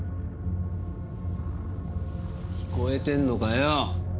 聞こえてんのかよ？